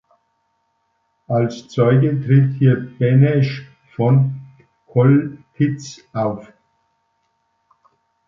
Als Zeuge tritt hier Benesch von Choltitz auf.